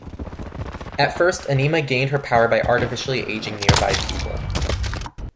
At first Anima gained her power by artificially aging nearby people.